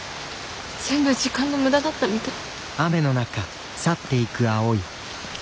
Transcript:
全部時間の無駄だったみたい。